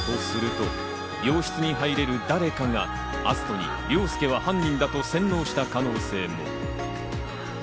すると病室に入れる誰かが篤斗に凌介は犯人だと洗脳した可能性も。